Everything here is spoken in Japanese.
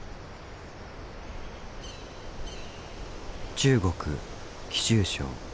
中国貴州省。